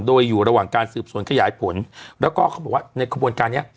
โดยอยู่ระหว่างการสืบสวนขยายผลแล้วก็เขาบอกว่าในขบวนการเนี้ย